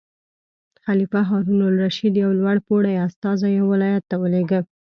خلیفه هارون الرشید یو لوړ پوړی استازی یو ولایت ته ولېږه.